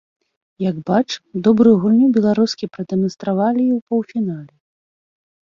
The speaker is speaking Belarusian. Як бачым, добрую гульню беларускі прадэманстравалі і ў паўфінале.